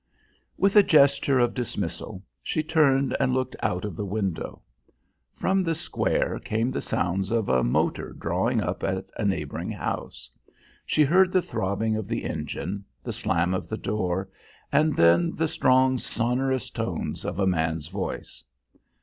With a gesture of dismissal she turned and looked out of the window. From the square came the sounds of a motor drawing up at a neighbouring house; she heard the throbbing of the engine, the slam of the door, and then the strong, sonorous tones of a man's voice.